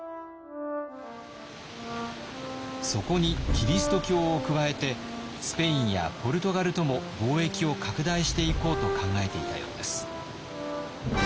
そこにキリスト教を加えてスペインやポルトガルとも貿易を拡大していこうと考えていたようです。